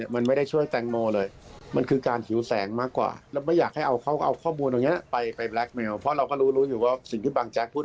มันไม่ได้เป็นความจริงแล้วก็เป็นพวกสุดแปดมงกุฎครับ